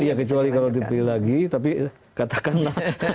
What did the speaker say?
iya kecuali kalau dipilih lagi tapi katakanlah